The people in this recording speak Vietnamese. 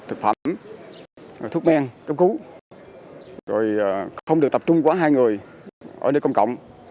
thực phẩm thuốc men cấp cứu rồi không được tập trung quá hai người ở nơi công cộng